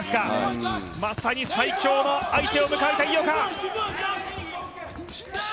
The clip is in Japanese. まさに最強の相手を迎えた井岡。